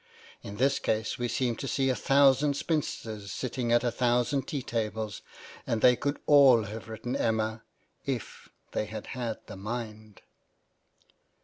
In this case we seem to see a thousand spinsters sitting at a thousand tea tables ; and they could all have written "Emma" if they had had the mind.